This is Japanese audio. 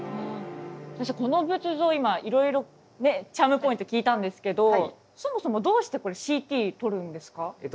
この仏像今いろいろチャームポイント聞いたんですけどそもそもどうしてこれＣＴ撮るんですか？